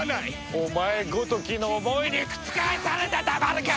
お前ごときの思いに覆されてたまるか！